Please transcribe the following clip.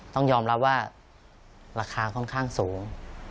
ต้องยอมรับว่าราคาค่อนข้างสูง